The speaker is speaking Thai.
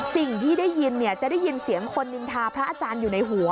สิ่งที่ได้ยินจะได้ยินเสียงคนนินทาพระอาจารย์อยู่ในหัว